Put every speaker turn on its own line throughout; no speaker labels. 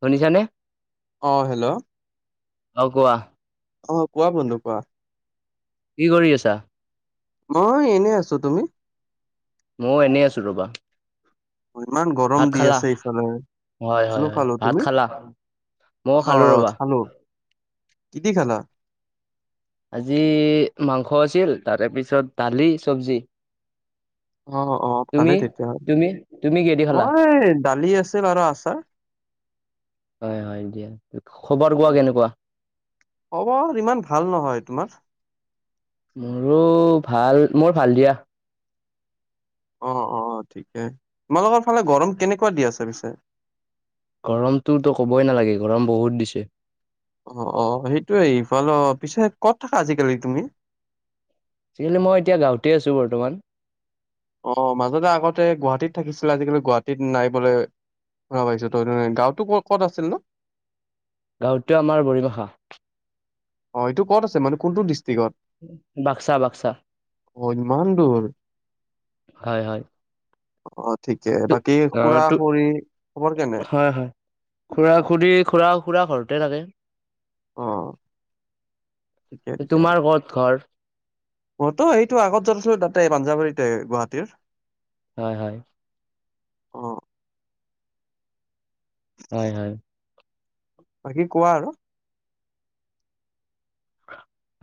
শুনিছানে?
অ', হেল্ল'!
অ' কোৱা
অ' কোৱা বন্ধু কোৱা
কি কৰি আছা?
মই এনেই আছো। তুমি?
ময়ো এনেই আছোঁ ৰ'বা।
ইমান গৰম
ভাত
দি
খালা?
আছে এইফালে।
হয় হয়
খালোঁ,
হয়
খালোঁ
ভাত
তুমি?
খালা? ময়ো খালো
অ',
ৰবা।
খালোঁ। কি দি খালা?
আজি মাংস আছিল, তাৰেপিছত দালি, চবজি।
অ', অ', ভালে তেতিয়াহ'লে।
তুমি? তুমি কিহেদি খালা?
মই দালি আছিল আৰু আচাৰ।
হয়, হয় দিয়া। খবৰ
অ,
কোৱা কেনেকুৱা?
খবৰ ইমান ভাল নহয়। তোমাৰ?
মোৰো ভাল, মোৰ ভাল দিয়া।
অ', অ', ঠিকে। তোমালোকৰ ফালে গৰম কেনেকুৱা দি আছে পিছে?
গৰমটোতো ক'বই নালাগে। গৰম বহুত দিছে।
অ', অ', সেইটোয়ে ইফালেও। পিছে ক'ত থাকা আজিকালি তুমি?
আজিকালি মই এতিয়া গাঁৱতে আছোঁ বৰ্তমান।
অ', মাজতে আগতে গুৱাহাটীত থাকিছিলা, আজিকালি গুৱাহাটীত নাই বোলে খবৰ পাইছো। [unintelligible] গাঁওতো ক'ত আছিল নো?
গাঁৱততো আমাৰ বৰিবাসা।
অ', এইটো ক'ত আছে মানে কোনটো ডিষ্ট্ৰিকত?
বাক্সা, বাক্সা।
অ ইমান দূৰ
হয়, হয়।
অ', ঠিকে।
তো
বাকী
অ
খুৰা,
তো
খুৰী খবৰ কেনে?
হয় হয় খুৰা, খুৰী, খুৰা-খুৰা ঘৰতে থাকে।
অ ঠিকে
তোমাৰ ক'ত ঘৰ?
মোৰতো সেইটো আগত য'ত আছিলো তাতে, পাঞ্জাৱাৰীতে, গুৱাহাটীৰ।
হয়, হয়।
অ
হয়, হয়।
বাকী কোৱা আৰু।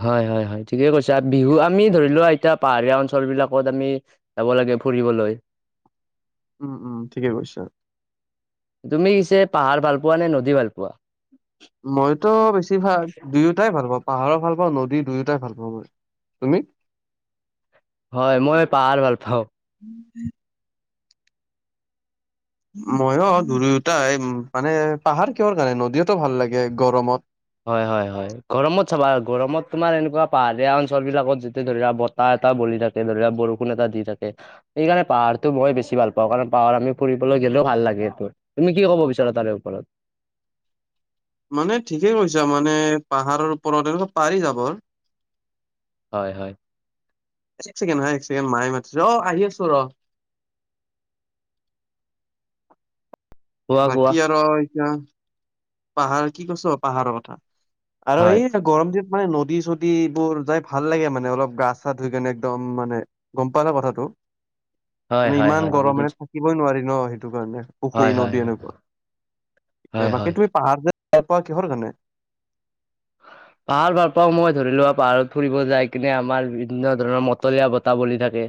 হয়, হয়, হয় ঠিকেই কৈছা। বিহু আমি ধৰি লোৱা, এতিয়া পাহাৰীয়া অঞ্চলবিলাকত আমি যাব লাগে ফুৰিবলৈ।
উম উম ঠিকে কৈছে আৰু
তুমিছে পাহাৰ ভাল পোৱা নে নদী ভাল পোৱা
মইতো বেছি ভাল দুয়োটাই ভাল পাওঁ পাহাৰৰ ভাল পাওঁ নদী দুয়োটাই ভাল পাওঁ মই তুমি
হয় মই পাহাৰ ভাল পাওঁ
উম উম মইয়ো দুয়োতাই মানে পাহাৰ কিহৰ কাৰণে নদীয়েতো ভাল লাগে গৰমত
হয় হয় হয় গৰমত চাবা গৰমত তোমাৰ এনেকুৱা পাহাৰীয়া অঞ্চল বিলাকত যেতিয়া ধৰি ল বা ত এটা বৰি থাকে ধৰি লোৱা বৰষুণ এটা দি থাকে সেইকাৰণে পাহাৰটো মই বেছি ভাল পাওঁ কাৰণ পাহাৰ আমি ফুৰিবলৈ গ'লেও ভাল লাগে সেইটো তুমি কি কব বিচাৰা তাৰে ওপৰত
মানে ঠিকেই কৈছা মানে পাহাৰৰ ওপৰত এনেকুৱা পাৰি যাব
হয় হয়
এক ছেকেণ্ড হ এক ছেকেণ্ড মায়ে মাতিছে অ আহি আছো ৰ
কোৱা কোৱা
বাকী আৰু এতিয়া পাহাৰ কি কৈছো পাহাৰত কথা আৰু
হয়
এই গৰম দিনত মানে নদী চদী এইবোৰ যাই ভাল লাগে মানে অলপ গা চা ধুই কেনে একদম মানে গম পালা কথাটো
হয়
মানে
হয়
ইমান
হয় হয়
গৰমেৰে থাকিবই নোৱাৰি ন সেইটো কাৰণে
হয়
পুখুৰী নদী
হয়
এনেকুৱা
হয় হয়
সেই টোৱে পাহাৰ যে যাই পোৱা কিহৰ কাৰণে
অ পাহাৰ ভাৰ পাওঁ মই ধৰি লোৱা পাহাৰত ফুৰিব যাই কিনে আমাৰ বিভিন্ন ধৰণৰ মতলীয়া বতাহ বলি থাকে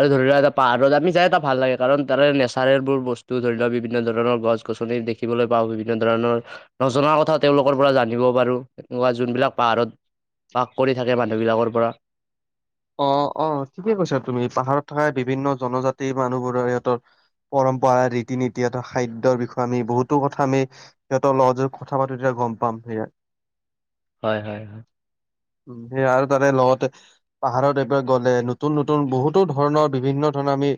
আৰু ধৰি লোৱা এটা পাহাৰত আমি যাই এটা ভাল লাগে কাৰণ তাৰে নেচাৰেল বোৰ বস্তু ধৰি লোৱা বিভিন্ন ধৰণৰ গছ [unintelligible] দেখিবলৈ পাওঁ বিভিন্ন ধৰণৰ নজাৰ কথা তেওঁলোকৰ পৰা জানিব বাৰু এনেকুৱা যোনবিলাক পাহাৰত বাহ কৰি থাকে মানুহ বিলাকৰ পৰা
অ অ ঠিকে কৈছা তুমি পাহাৰত থকা বিভিন্ন জনজাতিৰ মানুহবোৰৰ সিহঁতৰ পৰম্পৰা ৰীতি নীতি আৰু খাদ্যৰ বিষয়ে আমি বহুতো কথা আমি সিহঁতৰ লগত যদি কথা পাতো তেতিয়া গম পাম সেয়া
হয় হয় হয়
উ সেই আৰু তাতে লগতে পাহাৰত এইবাৰ গ'লে নতুন নতুন বহুতো ধৰণৰ বিভিন্ন ধৰণৰ আমি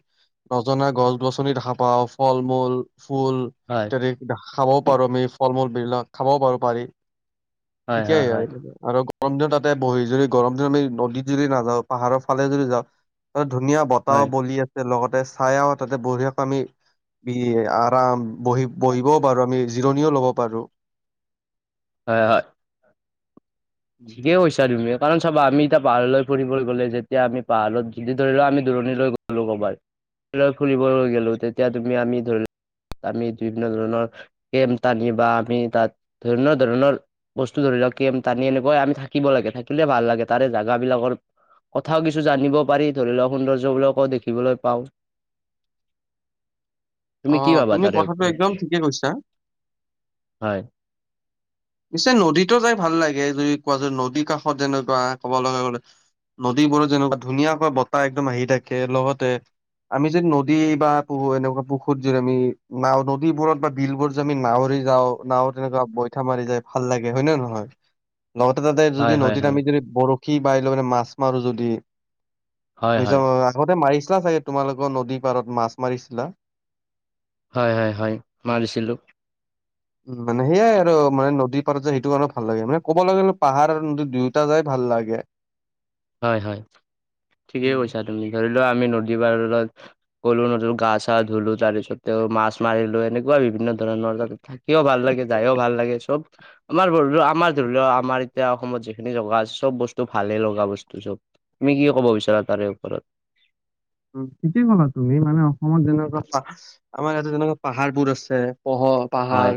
নজনা গছ গছনি দেখা পাও ফল মূল ফুল
হয়
ইত্যাদি খাবও পাৰো আমি ফল মূল বিলাক খাবও পাৰো পাৰি
হয়
ঠিকেই
হয়
আৰু গৰম দিনত তাতে বহি যদি গৰম দিনত আমি নদীত যদি নাযাওঁ পাহাৰৰ ফালে যদি যাওঁ তাতে ধুনীয়া বতাহও
হয়
বলি আছে লগতে চাইও তাতে বঢ়িয়াকৈ আমি বি আৰাম বহি বহিবও পাৰো আমি জিৰণিও ল'ব পাৰো
হয় হয় ঠিকেই কৈছা তুমি কাৰণ চাবা আমি এতিয়া পাহাৰলৈ ফুৰিবলৈ গ'লে যেতিয়া আমি পাহাৰত যদি ধৰি লও আমি দূৰণিলৈ গ'লো ক'বাত ফুৰিবলৈ গলো তেতিয়া তুমি আমি ধৰি আমি বিভিন্ন ধৰণৰ কেম টানি বা আমি তাত ধৰিন ধৰণৰ বস্তু ধৰি লওক কেম টানি এনে ক আমি থাকিব লাগে থাকিলে ভাল লাগে তাৰে জেগা বিলাকৰ কথাও কিছু জানিব পাৰি ধৰি লওক সৌন্দৰ্যবিলাকো দেখিবলে পাওঁ
অ
তুমি কি ভাবা তাৰে
কথাটো একদম
ওপৰত
ঠিকে কৈছা।
হয়
পিছে নদীতো যাই ভাল লাগে যদি কোৱা যদি নদীৰ কাষত যেনেকুৱা কব লগা গলে নদীবোৰো যেনেকা ধুনীয়াকৈ বতাহ একদম আহি থাকে লগতে আমি যদি নদী বা পু এনেকুৱা পুখুৰি যদি আমি নাও নদীবোৰত বা বিলবোৰ যে আমি নাৱৰে যাও নাও তেনেকুৱা বৈঠা মাৰি যায় ভাল লাগে হয় না নহয় লগতে তাতে যদি
হয় হয়
নদীত
হয়
আমি যদি বৰশী বাই লৈ মাছ মাৰো যদি
হয়
আমি
হয়
আগতে মাৰিছিলা চাগে তোমালোকৰ নদী পাৰত মাছ মাৰিছিলা
হয় হয় হয় মাৰিছিলোঁ
উ মানে সেয়াই আৰু মানে দুই পাৰত যায় সেইটো কাৰণে ভাল লাগে মানে ক'বলৈ গ'লে পাহাৰ দুয়োটা যাই ভাল লাগে
হয় হয় ঠিকে
উম।
কৈছা তুমি ধৰি লোৱা আমি নদী পাৰত ক'লো নতুন গা চা ধুলো তাৰ পিছত তেওঁ মাছ মাৰিলো এনেকুৱা বিভিন্ন ধৰণৰ ততে থাক থাকিও ভাল লাগে যায়ও ভাল লাগে চব আমাৰ ধৰি আমাৰ ধৰি লও আমাৰ এতিয়া অসমত যিখিনি জগা আছে চব বস্তু ভালে লগা বস্তু ত চব তুমি কি ক'ব বিচাৰা তাৰে ওপৰত
ঠিকে ক'লা তুমি মানে অসমত যেনেকুৱা আমাৰ ইয়াতে যেনেকুৱা পাহাৰবোৰ আছে পহ পাহাৰ
হয়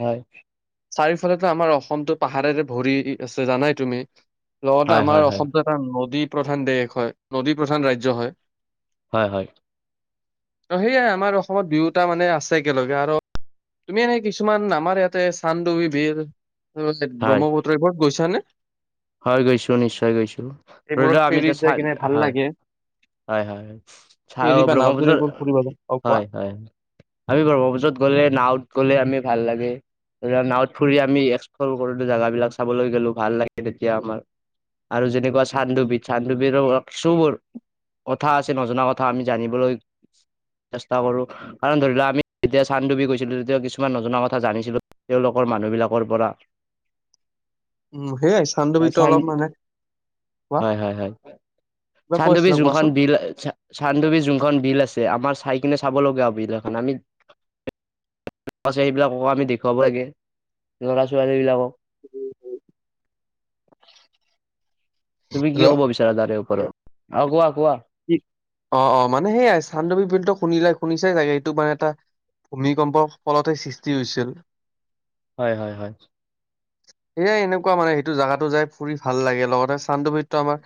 হয়
চাৰিওফালেটো আমাৰ অসমতো পাহাৰেৰে ভৰি আছে জানাই তুমি লগতে
হয় হয়
আমাৰ
হয়
অসমটো নদী প্ৰধান দেশ হয় নদী প্ৰধান ৰাজ্য হয়
হয় হয়
ত সেয়াই আমাৰ অসমত দুয়োটা মানে আছে একেলগে আৰু তুমি এনেই কিছুমান আমাৰ ইয়াতে চান্দু বিৰ
হয়
ব্ৰহ্মপুত্ৰ এইবোৰত গৈছানে
হয় গৈছো নিশ্চয় গৈছো
এইবোৰত
ধৰিলোৱা আমি
ফেৰীত যাই
চাই
কিনে ভাল
হয়
লাগে।
হয় হয় চাও
ফেৰী বা নাওত যদি
ব্ৰহ্মপুত্ৰত
এইবোৰ ফুৰিব যাওঁ, অ' কোৱা?
হয় হয় আমি ব্ৰহ্মপুত্ৰত গ'লে নাৱত গ'লে আমি ভাল লাগে নাৱত ফুৰি আমি এক্সপ্লৰ কৰোো জেগাব বিলাক চাবলৈ গলো ভাল লাগে তেতিয়া আমাৰ আৰু যেনেকুৱা চান্দুবিধ চান্দুবিধ ত [unintelligible] কথা আছে নজনা কথা আমি জানিবলৈ চেষ্টা কৰো। কাৰণ ধৰি লোৱা আমি যেতিয়া চান্ ডুবি গৈছিলো তেতিয়া কিছুমান নজনা কথা জানিছিলো। তেওঁলোকৰ মানুহ বিলাকৰ পৰা
উম সেইয়াই চান্দুবিটো
চান
অলপ মানে কোৱা
হয় হয় হয়
কিবা কৈ
চানদুবি
আছিলা
জোনখন
কোৱাচোন?
বিল চান্দুবি যোনখন বিল আছে আমাৰ চাই কিনে চাব লগা বিল এখন আমি ল'ৰা ছোৱীবিলাককো আমি দেখুৱাব লাগে ল'ৰা ছোৱালীবিলাকক।
উম হম।
তুমি কি কব বিচাৰা তাৰে ওপৰত আৰু কোৱা কোৱা
অ অ মানে সেইয়াই চান্দুৱী বিলটো শুনিলাই শুনিছাই ছাগে এইটো মানে এটা ভূমিকম্পৰ ফলতেই সৃষ্টি হৈছিল।
হয় হয় হয়।
সেয়াই এনেকুৱা মান সেইটো জগাতো যাই ফুৰি ভাল লাগে লগতে চান্দুবিত আমাৰ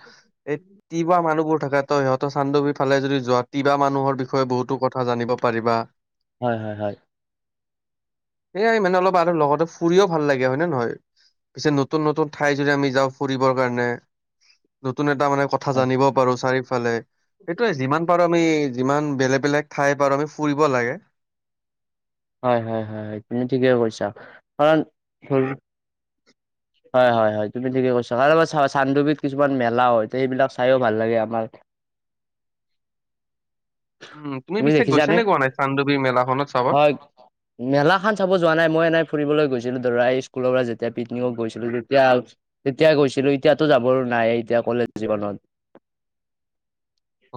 এই তিৱা মানুহবোৰ থাকে ত সিহঁতৰ চান্দুবি ফালে যদি যোৱা তিৱা মানুহৰ বিষয়ে বহুতো কথা জানিব পাৰিবা।
হয় হয় হয়।
সেইয়াই মানে অলপ আৰু লগতে ফুৰিও ভাল লাগে হয় নে নহয়? পিছে নতুন নতুন ঠাই যদি আমি যাওঁ ফুৰিবৰ কাৰণে নতুন এটা মানে কথা
অ
জানিব পাৰো চাৰিওফালে সেইটোয়ে যিমান পাৰো আমি যিমান বেলেগ বেলেগ ঠাই পাৰো আমি ফুৰিব লাগে।
হয় হয় হয় হয় তুমি ঠিকেই কৈছা কাৰণ হয় হয় হয় তুমি ঠিকে কৈছ চান্দুবিধ কিছুমান মেলা হয় সেইবিলাক চাইও ভাল লাগে আমাৰ [unintelligible]
উম তুমি পিছে গৈছ নে কোৱা নাই চান্দুবি মেলাখনত চাব,
হয় মেলা খান চাব যোৱা নাই মই এনে ফুৰিবলৈ গৈছিলো ধৰা এই স্কুলৰ পৰা যেতিয়া পিকনিক গৈছিল। যেতিয়া তেতিয়া গৈছিলো এতিয়াতো যাবৰ নাই এতিয়া কলেজ জীৱনত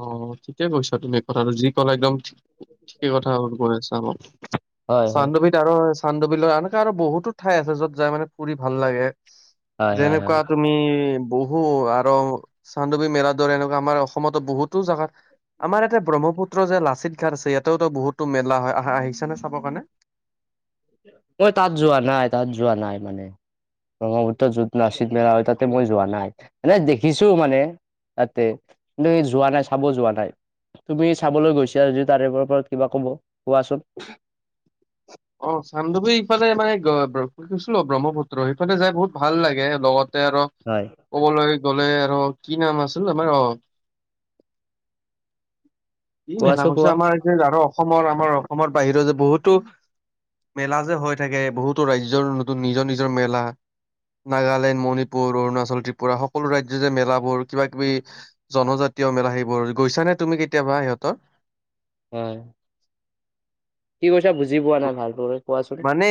অ ঠিকে কৈছা তুমি কথাটো যি ক'লা একদম ঠিকে কথা কৈছা ন।
হয় হয়
চান্দুবিধ আৰু চান্দু বিলৰ এনেকুৱা আৰু বহুতো ঠাই আছে য'ত যাই মানে ফুৰি ভাল লাগে।
হয় হয় হয়
যেনেকুৱা তুমি বহু আৰু চান্দুবি মেলা দৰে এনেকুৱা আমাৰ অসমত বহুতো জাগাত আমাৰ ইয়াতে ব্ৰহ্মপুত্ৰৰ যে লাচিত ঘাট আছে ইয়াতো বহুতো মেলা হয় আহিছা নে চাবৰ কাৰণে?
মই তাত যোৱা নাই তাত যোৱা নাই মানে। ব্ৰহ্মপুত্ৰ যত লাচিত মেলা হয় তাতে মই যোৱা নাই এনে দেখিছো মানে ততে কিন্তু যোৱা নাই চাব যোৱা নাই। তুমি চাবলৈ গৈছা যদি তাৰে ওপৰত কিবা কোৱাচোন।
অ চানদুবি ইফালে মানে গৈছিলো ব্ৰহ্মপুত্ৰ সেইফালে যাই বহুত ভাল লাগে লগতে আৰু
হয়।
ক'বলৈ গ'লে আৰু কি নাম আছিল আমাৰ অ
[unintelligible]
ই মেলা কছে
কোৱা
আমাৰ যে আৰু অসমৰ আমাৰ অসমৰ বাহিৰৰ যে বহুতো মেলা যে হৈ থাকে বহুতো ৰাজ্যৰ নতুন নিজৰ নিজৰ মেলা নাগালেণ্ড মণিপুৰ অৰুণাচল ত্ৰিপুৰা সকলো ৰাজ্য যে মেলাবোৰ কিবা কিবি জনজাতীয় মেলা সেইবোৰ গৈছা নে তুমি কেতিয়াবা সিহঁতৰ?
হয়। কি কৈছা বুজি পোৱা নাই ভালদৰে কোৱাচোন?
মানে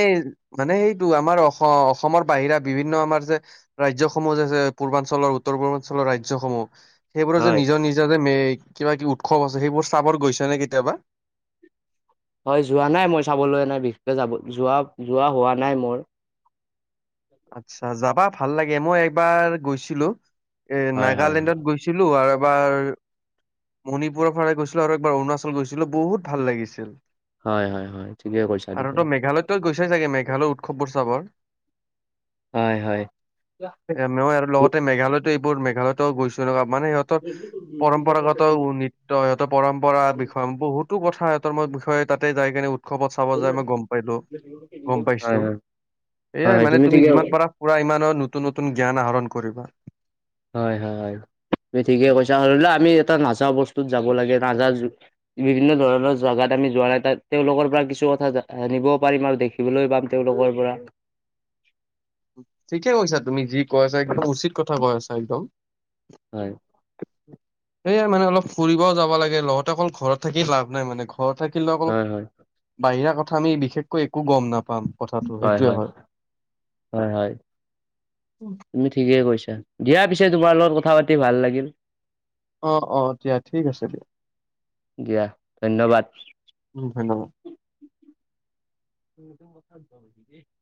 মানে সেইটো আমাৰ অসম অসমৰ বাহিৰা বিভিন্ন আমাৰ যে ৰাজ্যসমূহে যে পূৰ্বাঞ্চলৰ উত্তৰ পূৰ্বাঞ্চলৰ ৰাজ্যসমূহ সেইবোৰৰ যে
হয়
নিজৰ নিজৰ মে কিবা কি উৎসৱ আছে সেইবোৰ চাবৰ গৈছা নে কেতিয়াবা?
হয় যোৱা নাই মই চাবলৈ নাই বিশেষকে যাব যোৱা যোৱা হোৱা নাই মোৰ।
আচ্ছা যাবা ভাল লাগে মই এবাৰ গৈছিলো এ
হয় হয় হয়
নাগালেণ্ডত গৈছি- ছিলো আৰু এবাৰ মণিপুৰৰ ফালে গৈছিলো আৰু একবাৰ অৰুণাচল গৈছিলোঁ বহুত ভাল লাগিছিল।
হয় হয় হয় ঠিকে কৰিছা
আৰু
তুমি।
মেঘালয়তো তই গৈছাই চাগে মেঘালয় উৎসৱ বোৰ চাবৰ
হয় হয়
এ মেৱই আৰু লগতে মেঘালয়তো এইবোৰ মেঘালয়তো গৈছো এনকা মানে ইহঁত- তৰ পৰম্পৰাগত নৃত্য সিহঁতৰ পৰম্পৰা বিষয় বহুতো কথাত তৰ মই বিষয়ে তাতে যাই কিনে উৎ- উৎসৱত চাব যায় মই গম পাইলো গম
হয় হয়
পাইছো এইয়াই
হয়
মানে
তুমি ঠিকে
পুৰা ইমান নতুন নতুন জ্ঞান আহৰণ কৰিবা
হয় হয় হয় তুমি ঠিকে কৈছা হৰিলে আমি এটা নাজা বস্তুত যাব লাগে নাজা বিভিন্ন ধৰণৰ জাগাত আমি যোৱা নাই তাত তেওঁলোকৰ পৰা কিছু কথা জানিবও পাৰিম আৰু দেখি- দেখিবলৈ পাম তেওঁলোকৰ পৰা।
ঠিকে কৈছা তুমি যি কৈ আছা একদম উচিত কথা কৈ আছা একদম।
হয়
সেয়াই মানে অলপ ফুৰিবও যাব লাগে লগতে অকল ঘৰত থাকি লাভ নাই মানে ঘৰত থাকিলে অকল
হয় হয়
বাহিৰা কথা আমি বিশেষকৈ একো গম নাপাম। কথাটো
হয়
সেইটোয়ে
হয় হয় হয়। তুমি ঠিকেই কৰিছা দিয়াৰ পিছে তোমাৰ লগত কথা পাতি ভাল লাগিল।
অ অ দিয়া ঠিক আছে দিয়া
দিয়া ধন্যবাদ
উম ধন্যবাদ।
[unintelligible]